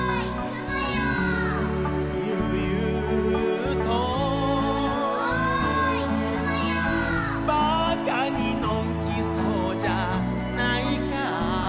「ゆうゆうと」「馬鹿にのんきそうじゃないか」